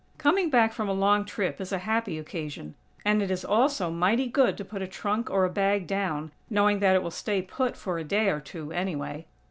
Coming back from a long trip is a happy occasion. And it is also mighty good to put a trunk or a bag down, knowing that it will "stay put" for a day or two, anyway.